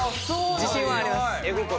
自信はあります。